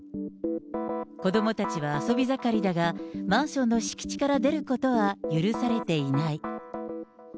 子どもたちは遊び盛りだが、マンションの敷地から出ることは許されていない。